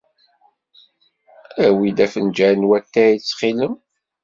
Awey-d afenjal n watay, ttxil-m.